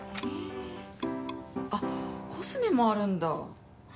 あ、コスメもあるんだ。